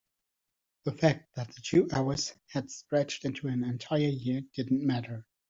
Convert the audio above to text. the fact that the two hours had stretched into an entire year didn't matter.